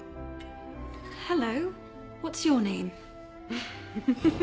ウフフフ！